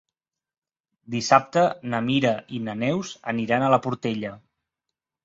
Dissabte na Mira i na Neus aniran a la Portella.